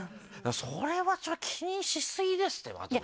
それは気にしすぎですって真飛さん。